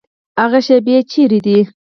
هغه شیبې چیري دي؟